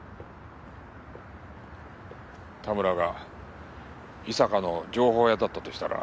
田村が井坂の情報屋だったとしたら